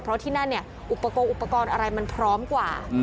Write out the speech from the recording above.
เพราะที่นั่นอุปกรณ์อะไรมันพร้อมกว่า